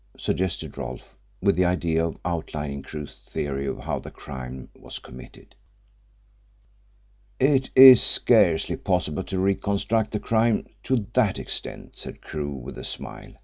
suggested Rolfe, with the idea of outlining Crewe's theory of how the crime was committed. "It is scarcely possible to reconstruct the crime to that extent," said Crewe with a smile.